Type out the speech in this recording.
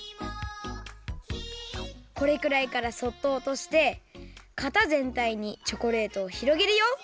これくらいからそっとおとしてかたぜんたいにチョコレートをひろげるよ。